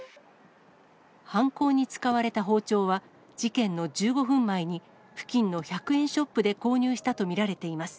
犯行に使われた包丁は、事件の１５分前に、付近の１００円ショップで購入したと見られています。